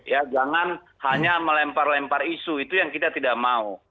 ya jangan hanya melempar lempar isu itu yang kita tidak mau